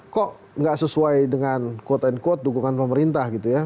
kok nggak sesuai dengan quote unquote dukungan pemerintah gitu ya